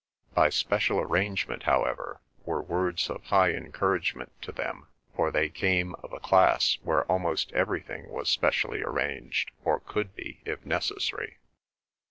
"By special arrangement," however, were words of high encouragement to them, for they came of a class where almost everything was specially arranged, or could be if necessary.